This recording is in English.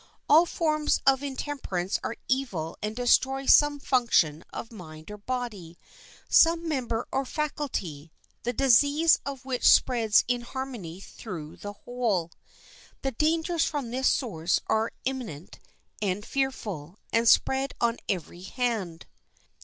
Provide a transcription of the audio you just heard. All forms of intemperance are evil and destroy some function of mind or body—some member or faculty, the disease of which spreads inharmony through the whole. The dangers from this source are imminent and fearful, and spread on every hand.